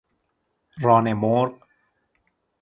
ران مرغ